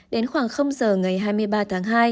đến khoảng giờ ngày hai mươi ba tháng hai